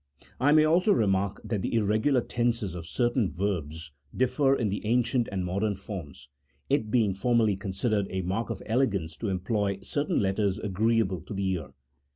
I may also remark that the irregular tenses of certain verbs differ in the ancient and modern forms, it being formerly considered a mark of elegance to employ certain letters agreeable to the ear.